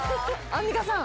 アンミカさん。